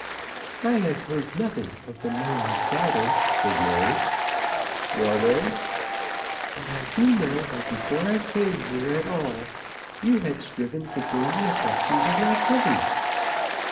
"I have heard nothing of the man's daughter," said Mary. "Well then?" "But I do know that before I came here at all you had striven to gain the affections of my cousin."